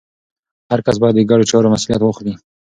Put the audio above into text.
هر کس باید د ګډو چارو مسوولیت واخلي.